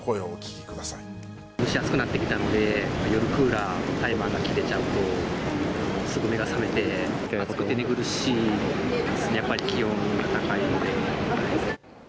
蒸し暑くなってきたので、夜、クーラーのタイマーが切れちゃうと、すぐ目が覚めて、暑くて寝苦しいですね、やっぱり気温が高いので。